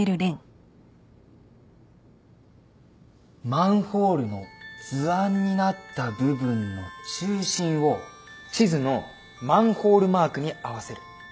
マンホールの図案になった部分の中心を地図のマンホールマークに合わせる。